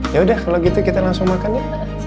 yaudah kalau gitu kita langsung makan ya